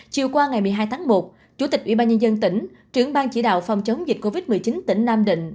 chiều qua ngày một mươi hai tháng một chủ tịch ủy ban nhân dân tỉnh trưởng ban chỉ đạo phòng chống dịch covid một mươi chín tỉnh nam định